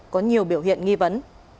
có nhiều biểu hiện nghi vấn